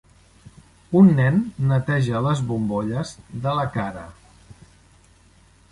un nen neteja les bombolles de la cara.